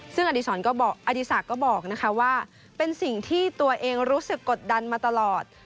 ซึ่งอดีศักดิ์ก็บอกว่าเป็นสิ่งที่ตัวเองรู้สึกกดดันมาตลอด